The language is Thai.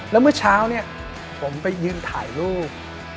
แล้วเมื่อเช้าเนี่ยผมไปยืนถ่ายรูป